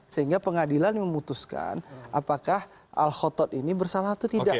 sehingga pengadilan memutuskan apakah alkhotot ini bersalah atau tidak